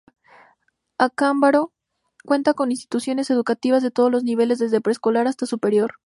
Acámbaro cuenta con instituciones educativas de todos los niveles, desde pre escolar hasta superior.